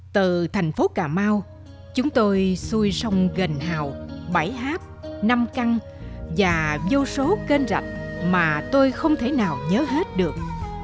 từ thành phố cà mau chúng tôi xui sông gần hào bảy háp năm căng và vô số kênh rạch mà tôi không thể nào nhớ hết được